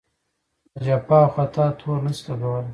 د جفا او خطا تور نه شي لګولای.